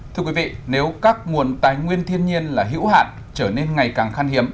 thưa quý vị nếu các nguồn tài nguyên thiên nhiên là hữu hạn trở nên ngày càng khăn hiếm